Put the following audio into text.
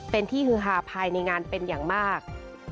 เป็นที่ฮือฮาภายในงานเป็นอย่างมาก